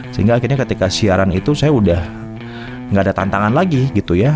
sehingga akhirnya ketika siaran itu saya udah gak ada tantangan lagi gitu ya